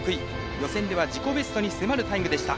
予選では自己ベストに迫るタイムでした。